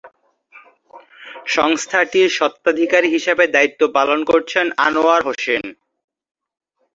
সংস্থাটির স্বত্বাধিকারী হিসেবে দায়িত্ব পালন করছেন আনোয়ার হোসেন।